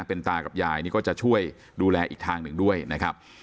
เป็นตากับยายนี่ก็จะช่วยดูแลอีกทางหนึ่งด้วยนะครับ